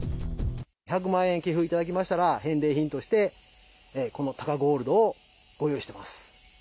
１００万円寄付いただけましたら、返礼品として、このタカゴールドをご用意してます。